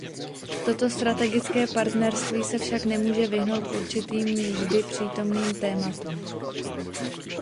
Toto strategické partnerství se však nemůže vyhnout určitým vždypřítomným tématům.